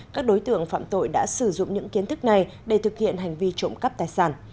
các đối tượng phạm tội đã sử dụng những kiến thức này để thực hiện hành vi trộm cắp tài sản